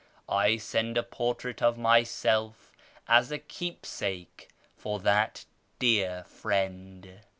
... I send a portrait of myself as a keepsake for that dear friend."